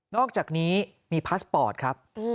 อกจากนี้มีพาสปอร์ตครับ